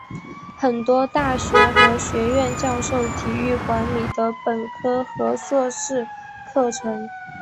很多大学和学院教授体育管理的本科和硕士课程。